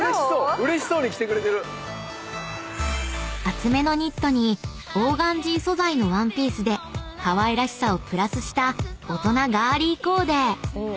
［厚めのニットにオーガンジー素材のワンピースでかわいらしさをプラスした大人ガーリーコーデ］